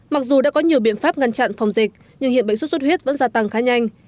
mặc dù đã có nhiều biện pháp ngăn chặn phòng dịch nhưng hiện bệnh xuất xuất huyết vẫn gia tăng khá nhanh